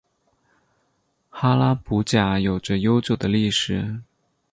哈拉卜贾有着悠久的历史。